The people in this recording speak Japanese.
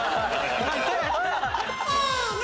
・せの！